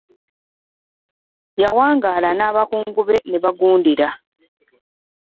Yawangaala n'abakungu be ne bagundiira.